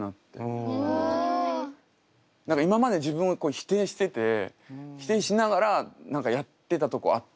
何か今まで自分をこう否定してて否定しながら何かやってたとこあって。